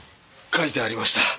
書いてありました。